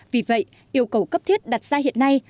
vì vậy yêu cầu cấp thiết đặt ra hiện nay